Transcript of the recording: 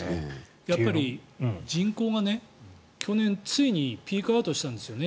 やっぱり人口が去年ついにピークアウトしたんですよね。